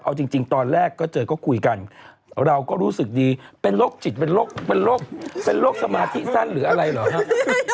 เอาจริงตอนแรกก็เจอก็คุยกันเราก็รู้สึกดีเป็นโรคจิตเป็นโรคเป็นโรคสมาธิสั้นหรืออะไรเหรอฮะ